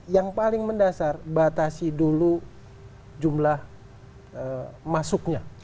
yang paling mendasar batasi dulu jumlah masuknya